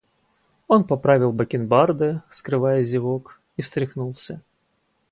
Он поправил бакенбарды, скрывая зевок, и встряхнулся.